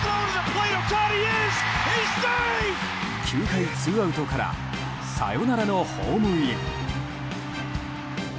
９回ツーアウトからサヨナラのホームイン。